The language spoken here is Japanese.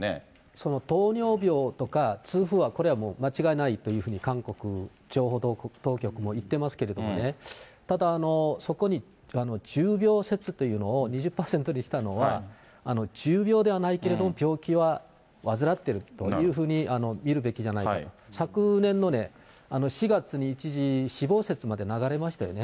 その糖尿病とか、痛風は、これはもう間違いないというふうに韓国情報当局も言ってますけれども、ただ、そこに重病説というのを２０％にしたのは、重病ではないけれども、病気は患ってるというふうに見るべきじゃないかと、昨年の４月に一時、死亡説まで流れましたよね。